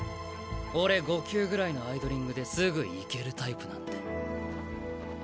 俺５球ぐらいのアイドリングですぐいけるタイプなんで。